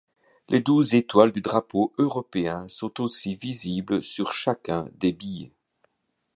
Les douze étoiles du drapeau européen sont aussi visibles sur chacun des billets.